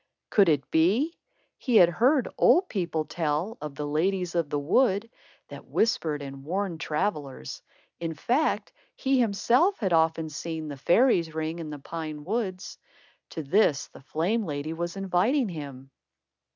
Could it be? He had heard old people tell of the ladies of the wood, that whispered and warned travellers. In fact, he himself had often seen the "fairies' ring" in the pine woods. To this, the flame lady was inviting him.